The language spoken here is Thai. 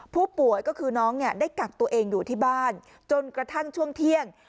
ผู้ป่วยก็คือน้องเนี่ยได้กักตัวเองอยู่ที่บ้านจนกระทั่งช่วงเที่ยง